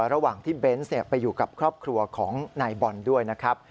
ระหว่างที่เบนส์ไปอยู่กับครอบครัวของนายบอลด้วยนะครับ